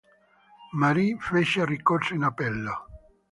Marie fece ricorso in appello.